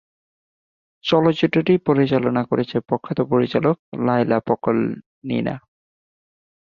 চলচ্চিত্রটি পরিচালনা করেছে প্রখ্যাত পরিচালক লায়লা পকলনিনা।